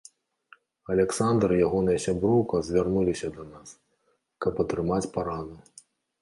Аляксандр і ягоная сяброўка звярнуліся да нас, каб атрымаць параду.